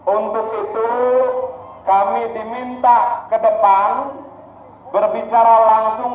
untuk itu kami diminta ke depan berbicara langsung